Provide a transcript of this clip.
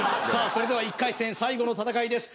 それでは１回戦最後の戦いです